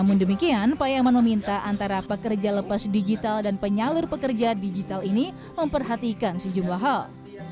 namun demikian payaman meminta antara pekerja lepas digital dan penyalur pekerja digital ini memperhatikan sejumlah hal